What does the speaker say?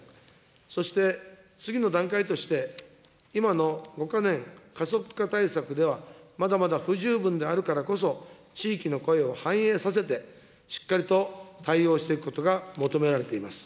そして次の段階として、今の５か年加速化対策ではまだまだ不十分であるからこそ、地域の声を反映させて、しっかりと対応していくことが求められています。